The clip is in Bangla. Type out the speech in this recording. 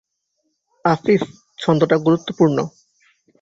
আফিফ: ছন্দটা গুরুত্বপূর্ণ।